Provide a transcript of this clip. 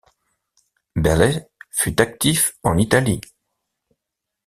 Behles fut actif en Italie.